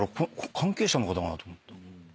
関係者の方かなと思った。